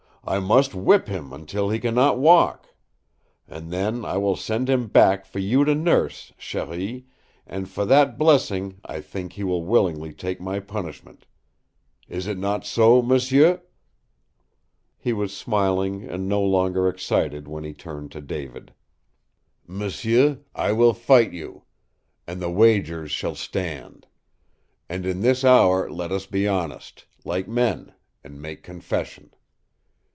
I must whip him until he can not walk. And then I will send him back for you to nurse, cherie, and for that blessing I think he will willingly take my punishment! Is it not so, m'sieu?" He was smiling and no longer excited when he turned to David. "M'sieu, I will fight you. And the wagers shall stand. And in this hour let us be honest, like men, and make confession.